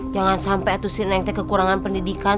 jangan sampai kamu kekurangan pendidikan